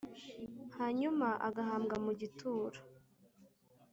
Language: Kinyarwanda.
Hanyum' agahambwa mu gituro!